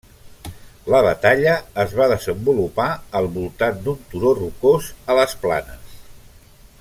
La batalla es va desenvolupar al voltant d'un turó rocós a les planes.